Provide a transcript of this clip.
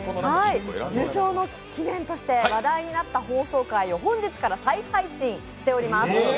受賞の記念として話題になった放送回を本日から再配信しております。